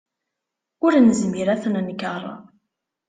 Ur nezmir ad t-nenkeṛ.